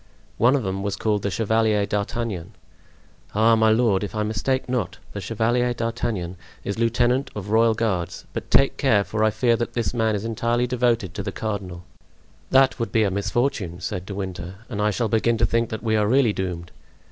"One of them was called the Chevalier d'Artagnan." "Ah, my lord, if I mistake not, the Chevalier d'Artagnan is lieutenant of royal guards; but take care, for I fear that this man is entirely devoted to the cardinal." "That would be a misfortune," said De Winter, "and I shall begin to think that we are really doomed."